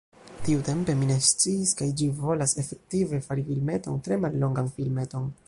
Tiutempe, mi ne sciis ke ĝi volas efektive, fari filmeton, tre mallongan filmeton.